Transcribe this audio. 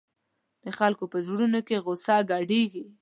د خلکو په زړونو کې غوسه ګډېږي.